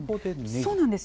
そうなんです。